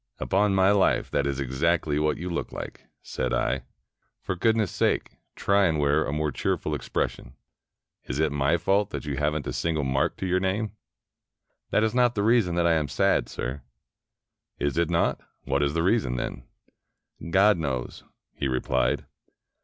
"Upon my life, that is exactly what you look like," said I. " For goodness' sake, try and wear a more cheer ful expression. Is it my fault that you have n't a single mark to your name?" "That is not the reason that I am sad, sir." "Is it not? What is the reason, then?" " God knows," he replied.